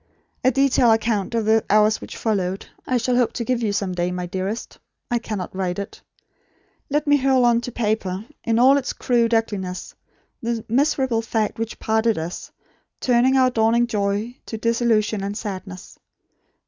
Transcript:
A detailed account of the hours which followed, I shall hope to give you some day, my dearest. I cannot write it. Let me hurl on to paper, in all its crude ugliness, the miserable fact which parted us; turning our dawning joy to disillusion and sadness.